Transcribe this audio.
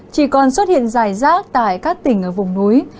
chỉ còn xuất hiện dài rác tại các tỉnh ở vùng núi